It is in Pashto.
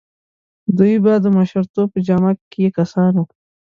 دوی به د مشرتوب په جامه کې کسان وو.